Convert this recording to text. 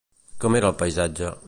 Com era el paisatge?